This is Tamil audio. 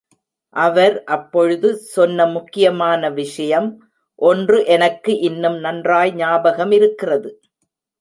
அவர் அப்பொழுது சொன்ன முக்கியமான விஷயம் ஒன்று எனக்கு இன்னும் நன்றாய் ஞாபகமிருக் கிறது.